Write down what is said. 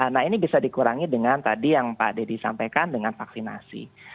nah ini bisa dikurangi dengan tadi yang pak dedy sampaikan dengan vaksinasi